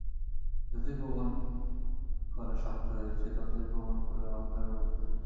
যতই প্রমাণ করা শক্ত হয়েছে ততই প্রমাণ করে অহংকার বোধ করেছি।